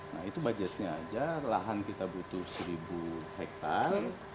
nah itu budgetnya aja lahan kita butuh seribu hektare